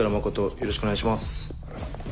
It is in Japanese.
よろしくお願いします。